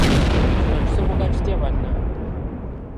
Kino kisoboka kitya bannange?